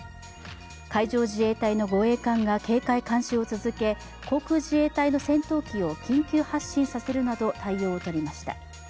海上自衛隊の護衛艦が警戒・監視を続け、航空自衛隊の戦闘機を緊急発進させるなどの対応を取りました。